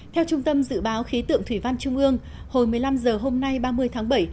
theo trung tâm dự báo khí tượng thủy văn trung ương hồi một mươi năm h hôm nay ba mươi tháng bảy